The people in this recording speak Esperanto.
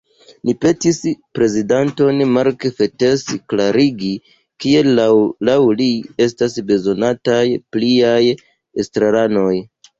Ni petis prezidanton Mark Fettes klarigi, kial laŭ li estas bezonataj pliaj estraranoj.